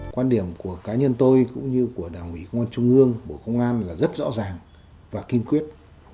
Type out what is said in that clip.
quan điểm của cá nhân tôi cũng như của đảng ủy công an trung ương bộ công an là rất rõ ràng và kiên quyết